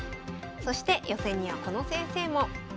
そして予選にはこの先生も。